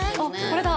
これだ。